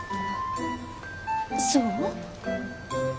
そう？